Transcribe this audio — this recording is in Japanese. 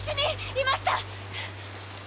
いました！